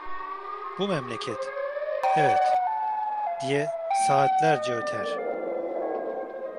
"Bu memleket, evet…" diye saatlerce öter…